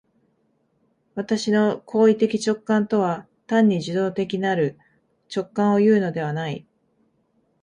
私の行為的直観とは単に受働的なる直覚をいうのではない。